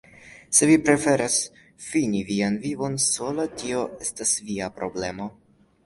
Se vi preferas fini vian vivon sola, tio estas via problemo.